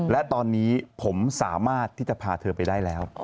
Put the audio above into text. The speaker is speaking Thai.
และตอนนี้ผมสามารถที่จะพาเธอไปได้แล้ว